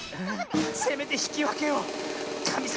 せめてひきわけをかみさま。